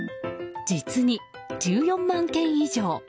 実に１４万件以上。